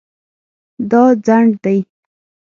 دا ځنډ دی